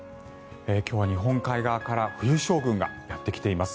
今日は日本海側から冬将軍がやってきています。